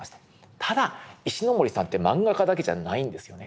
ただ石森さんって萬画家だけじゃないんですよね。